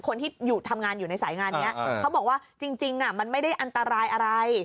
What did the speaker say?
คนที่อยู่ทำงานอยู่ในสายงานนี้เขาบอกว่าจริงมันไม่ได้อันตรายอะไร